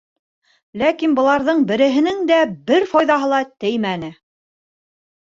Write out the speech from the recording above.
Ләкин быларҙың береһенең дә бер файҙаһы ла теймәне.